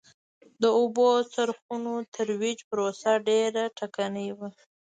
د اوبو څرخونو ترویج پروسه ډېره ټکنۍ وه